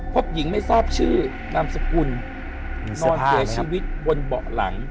พบหญิงไม่ทราบชื่อนามสกุลนอนเสียชีวิตบนเบาะหลัง